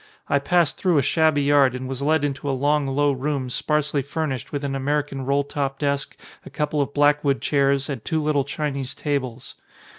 I passed through a shabby yard and was led into a long low room sparsely furnished with an American roll top desk, a couple of black wood chairs and two little Chinese tables.